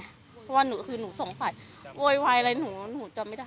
เพราะว่าหนูคือหนูสงสัยโวยวายอะไรหนูหนูจำไม่ได้